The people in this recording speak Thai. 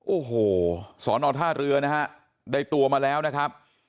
โอ้โหสอนอท่าเรือนะฮะได้ตัวมาแล้วนะครับ